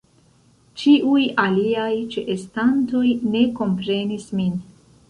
Ĉiuj aliaj ĉeestantoj ne komprenis min.